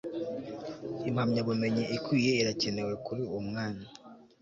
impamyabumenyi ikwiye irakenewe kuri uwo mwanya